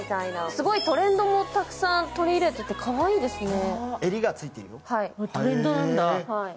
すごいトレンドもたくさん取り入れていてかわいいですね。